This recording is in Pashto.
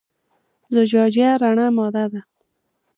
زجاجیه رڼه ماده ده.